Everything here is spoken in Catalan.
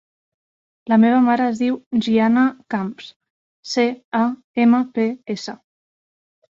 La meva mare es diu Gianna Camps: ce, a, ema, pe, essa.